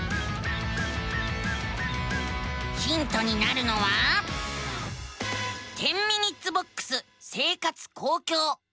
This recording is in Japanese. ヒントになるのは「１０ｍｉｎ．ボックス生活・公共」。